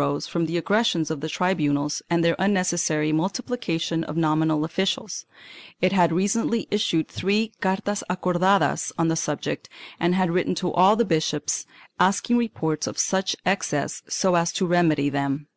IV] THE SPIRITUAL COURTS 497 from the aggressions of the tribunals and their unnecessary multiplication of nominal officials; it had recently issued three cartas acordadas on the subject and had written to all the bishops asking reports of such excesses so as to remedy them.